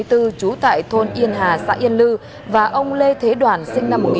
trú tại thôn yên hà xã yên lư và ông lê thế đoàn sinh năm một nghìn chín trăm tám mươi